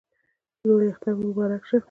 لوی اختر مو مبارک شه